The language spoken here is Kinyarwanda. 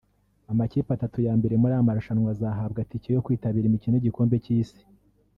Amakipe atatu ya mbere muri aya marushanwa azahabwa tike yo kwitabira imikino y’igikombe cy’isi